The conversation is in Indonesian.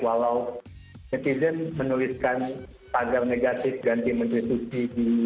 walau netizen menuliskan tagar negatif ganti menteri susi